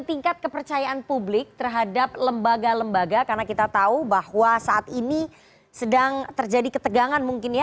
tingkat kepercayaan publik terhadap lembaga lembaga karena kita tahu bahwa saat ini sedang terjadi ketegangan mungkin ya